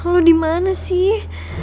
lo dimana sih